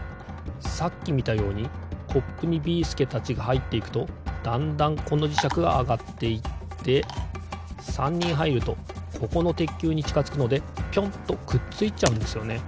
さっきみたようにコップにビーすけたちがはいっていくとだんだんこのじしゃくがあがっていって３にんはいるとここのてっきゅうにちかづくのでピョンとくっついちゃうんですよね。